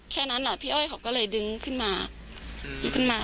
แค่นั้นล่ะพี่อ้อยเราก็เลยดึงขึ้นมา